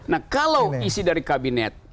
nah kalau isi dari kabinet